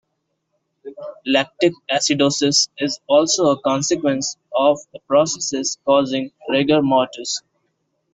Lactic acidosis is also a consequence of the processes causing "rigor mortis".